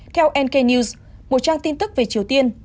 theo nk news một trang tin tức về triều tiên